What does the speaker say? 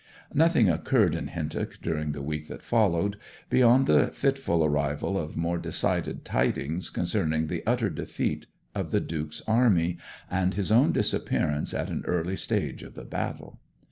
Nothing occurred in Hintock during the week that followed, beyond the fitful arrival of more decided tidings concerning the utter defeat of the Duke's army and his own disappearance at an early stage of the battle.